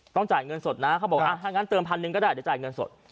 จ่ายเงินสดนะเขาบอกถ้างั้นเติมพันหนึ่งก็ได้เดี๋ยวจ่ายเงินสด